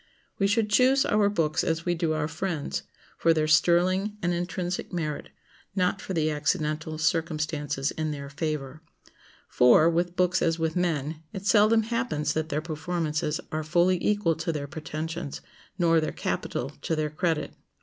We should choose our books as we do our friends, for their sterling and intrinsic merit, not for the accidental circumstances in their favor. For, with books as with men, it seldom happens that their performances are fully equal to their pretensions, nor their capital to their credit.